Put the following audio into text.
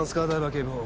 警部補。